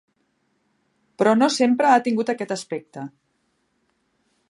Però no sempre ha tingut aquest aspecte.